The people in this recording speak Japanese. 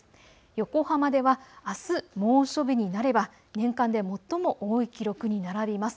横浜ではあす猛暑日になれば年間で最も多い記録に並びます。